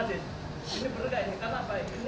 ini bener gak ya kan apa ini